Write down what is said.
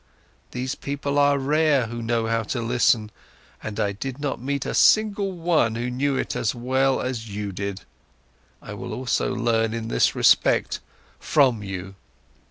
These people are rare who know how to listen. And I did not meet a single one who knew it as well as you did. I will also learn in this respect from you."